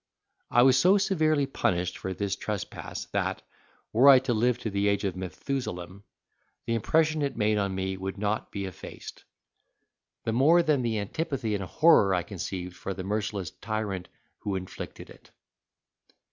I was so severely punished for this trespass that, were I to live to the age of Methusalem, the impression it made on me would not be effaced; the more than the antipathy and horror I conceived for the merciless tyrant who inflicted it.